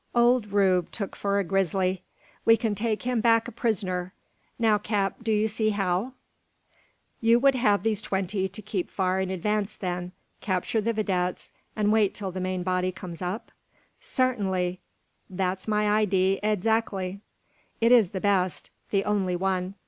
Ole Rube tuk for a grizzly! We kin take him back a pris'ner. Now, cap, do 'ee see how?" "You would have these twenty to keep far in the advance then, capture the videttes, and wait till the main body comes up?" "Sartinly; thet's my idee adzactly." "It is the best, the only one.